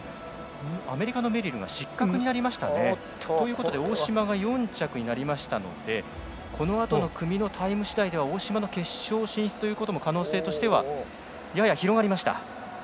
アメリカのメリルが失格です。ということで大島が４着になりましたのでこのあとの組のタイム次第では大島の決勝進出も可能性としてはやや広がりました。